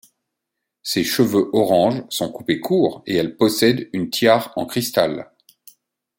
Ses cheveux orange sont coupés court et elle possède une tiare en cristal.